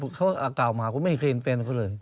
เพราะว่าเขากลัวมาก็ไม่เคยเห็นแฟนเขาเลย